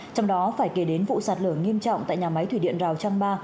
trong đó phải kể đến vụ sạt lửa nghiêm trọng tại nhà máy thủy điện rào trăng ba